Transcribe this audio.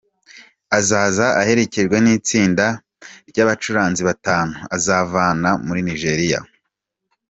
Azaza aherekejwe n’itsinda ry’abacuranzi batanu azavana muri Nigeria.